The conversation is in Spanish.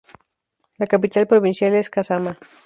La capital provincial es Kasama.